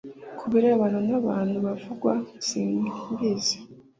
ku birebana n abantu bavugwa simbizi